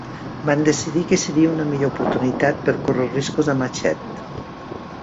Van decidir que seria una millor oportunitat per córrer riscos amb Hachette.